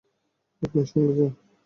আপনি সঙ্গী চান।